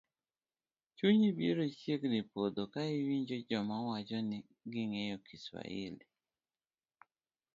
Chunyi biro chiegni podho ka iwinjo joma wacho ni gi ng'eyo Kiswahili